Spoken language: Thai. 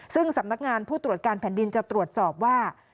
ซึ่งสำนักงานผู้ตรวจการแผ่นดินจะตรวจสอบว่า